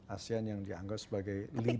asean yang dianggap sebagai